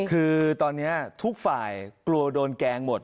คือตอนนี้ทุกฝ่ายกลัวโดนแกล้งหมด